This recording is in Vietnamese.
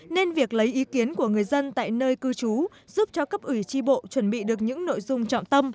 nên việc lấy ý kiến của người dân tại nơi cư trú giúp cho cấp ủy tri bộ chuẩn bị được những nội dung trọng tâm